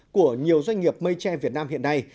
của nhiều doanh nghiệp mây tre việt nam hiện nay